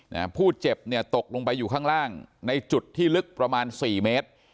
นะฮะผู้เจ็บเนี่ยตกลงไปอยู่ข้างล่างในจุดที่ลึกประมาณสี่เมตร